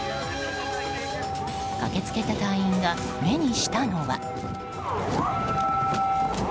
駆けつけた隊員が目にしたのは。